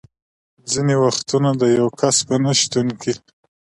ځینې وختونه د یو کس په نه شتون کې.